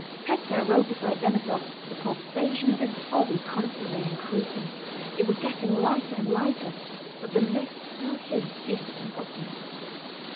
Pétya rode beside Denísov, the pulsation of his body constantly increasing. It was getting lighter and lighter, but the mist still hid distant objects.